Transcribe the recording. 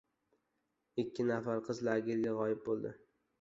Ikki nafar qiz lagerda g‘oyib bo‘ldi